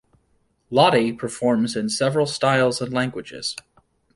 Lotti performs in several styles and languages.